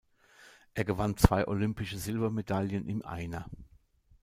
Er gewann zwei olympische Silbermedaillen im Einer.